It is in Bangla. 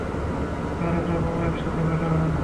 বারোটা বোমা একসাথে ফাটবে।